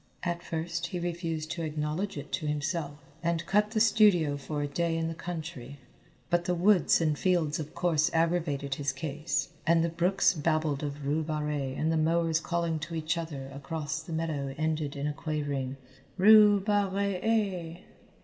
At first he refused to acknowledge it to himself, and cut the studio for a day in the country, but the woods and fields of course aggravated his case, and the brooks babbled of Rue Barrée and the mowers calling to each other across the meadow ended in a quavering "Rue Bar rée e!"